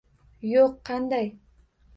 - Yo'q, qanday?